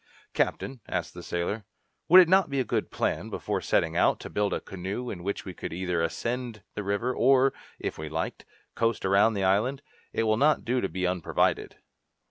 "Captain," asked the sailor, "would it not be a good plan, before setting out, to build a canoe in which we could either ascend the river, or, if we liked, coast round the island? It will not do to be unprovided."